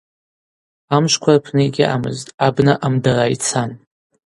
Амшвква рпны йгьаъамызтӏ, абна амдара йцан.